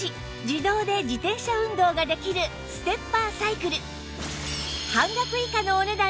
自動で自転車運動ができるステッパーサイクル